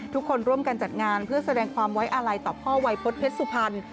ทุกคนร่วมกันจัดงานเพื่อแสดงความไว้อาลัยต่อพ่อวัยพฤษเพชรสุพรรณ